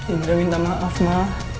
indri minta maaf ma